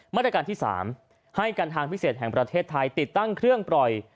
มาตรการที่๓ให้การทางพิเศษแห่งประเทศไทยติดตั้งเครื่องปล่อย